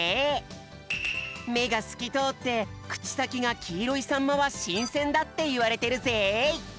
めがすきとおってくちさきがきいろいさんまはしんせんだっていわれてるぜい！